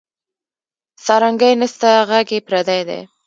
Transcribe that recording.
سارنګۍ نسته ږغ یې پردی دی